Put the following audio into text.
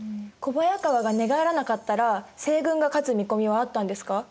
小早川が寝返らなかったら西軍が勝つ見込みはあったんですか？